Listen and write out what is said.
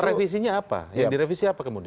revisinya apa yang direvisi apa kemudian